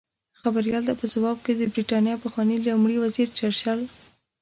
خبریال ته په ځواب کې د بریتانیا د پخواني لومړي وزیر چرچل